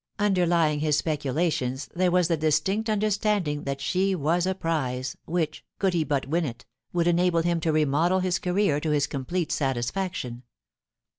Underlying his speculations there was the distinct under standing that she was a prize, which, could he but win it, would enable him to remodel his career to his complete satisfaction.